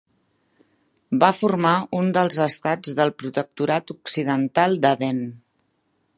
Va formar un dels estats del Protectorat Occidental d'Aden.